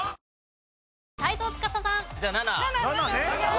じゃあ７。